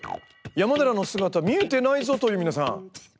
山寺の姿見えてないぞ！という皆さんご安心ください。